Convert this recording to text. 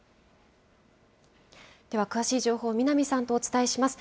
では詳しい情報、南さんとお伝えします。